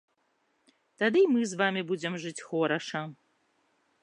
Тады і мы з вамі будзем жыць хораша.